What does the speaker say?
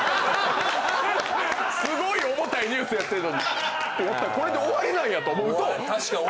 すごい重たいニュースやってんのにてやったらこれで終わりなんやと思うと。